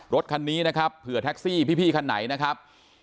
รถคันนี้นะครับเผื่อแท็กซี่พี่คันไหนนะครับ